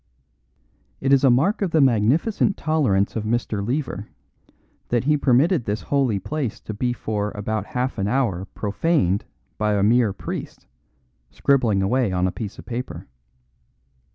It is a mark of the magnificent tolerance of Mr. Lever that he permitted this holy place to be for about half an hour profaned by a mere priest, scribbling away on a piece of paper.